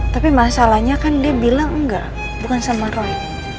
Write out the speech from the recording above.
tapi masalahnya kan dia bilang enggak bukan sama roy